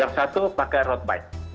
yang satu pakai road bike